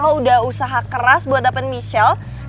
lo udah usaha keras buat dapetin michelle